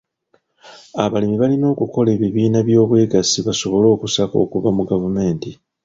Abalimi balina okukola ebibiina by'obwegassi basobole okusaka okuva mu gavumenti.